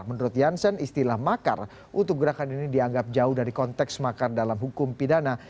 menurut jansen istilah makar untuk gerakan ini dianggap jauh dari konteks makar dalam hukum pidana